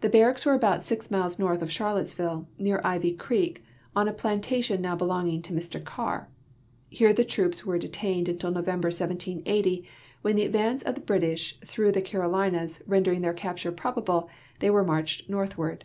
The barracks were about six miles north of Charlottesville, near Ivy creek, on a plantation now belonging to Mr Carr. Here the troops were de tained until November, 1780, when the advance of the British through the Carolinas rendering their capture ])robable, they Avere marched northward.